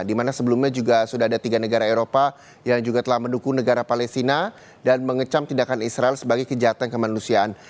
dimana sebelumnya juga sudah ada tiga negara eropa yang juga telah mendukung negara palestina dan mengecam tindakan israel sebagai kejahatan kemanusiaan